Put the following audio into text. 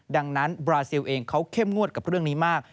ดังนั้นบราซิลเองเขาเข้มงวดกับเรื่องนี้มาก